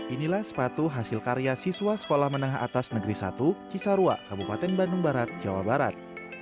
inilah sepatu hasil karya siswa sekolah menengah atas negeri satu cisarua kabupaten bandung barat jawa barat